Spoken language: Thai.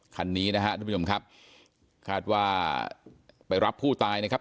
คันนี้นะฮะทุกผู้ชมครับคาดว่าไปรับผู้ตายนะครับ